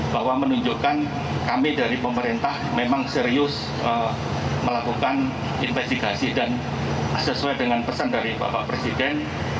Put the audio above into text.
bahwa menunjukkan kami dari pemerintah memang serius melakukan investigasi dan sesuai dengan pesan dari bapak presiden